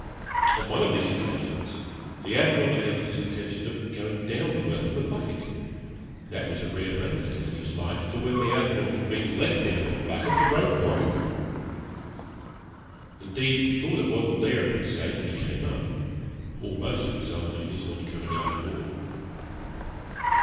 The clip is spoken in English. On one of these occasions, the Admiral announced his intention of going down the well in the bucket. That was a rare moment in Letty's life, for when the Admiral had been let down in the bucket, the rope broke! Indeed, the thought of what the Laird would say when he came up, almost resulted in his not coming up at all.